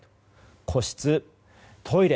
個室、トイレ。